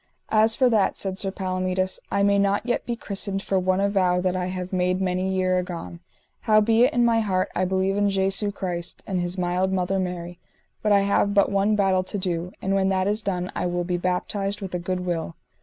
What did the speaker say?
As for that, said Sir Palomides, I may not yet be christened for one avow that I have made many years agone; howbeit in my heart I believe in Jesu Christ and his mild mother Mary; but I have but one battle to do, and when that is done I will be baptised with a good will.